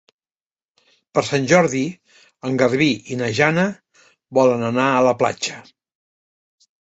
Per Sant Jordi en Garbí i na Jana volen anar a la platja.